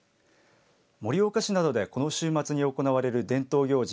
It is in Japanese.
盛岡市などでこの週末に行われる伝統行事